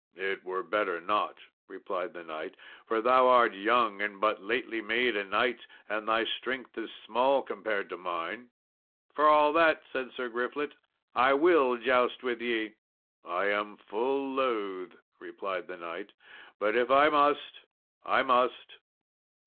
"It were better not," replied the knight; "for thou art young and but lately made a knight, and thy strength is small compared to mine." "For all that," said Sir Griflet, "I will joust with ye." "I am full loath," replied the knight; "but if I must I must."